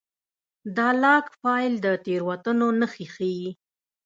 دا لاګ فایل د تېروتنو نښې ښيي.